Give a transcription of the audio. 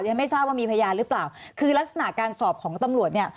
ฉันไม่ทราบว่ามีพยานหรือเปล่าคือลักษณะการสอบของตำรวจเนี่ย